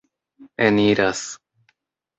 eniras